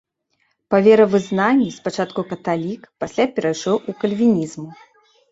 Па веравызнанні спачатку каталік, пасля перайшоў у кальвінізм.